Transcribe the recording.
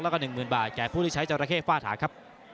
แล้วก็หนึ่งหมื่นบาทแก่ผู้ที่ใช้เจ้าระเข้ฝ้าถาครับ